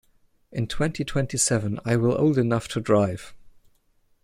In twenty-twenty-seven I will old enough to drive.